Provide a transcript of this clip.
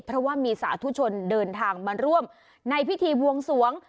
เพราะว่ามีสาธุชนเดินทางมาร่วมในพิธีบวงสวง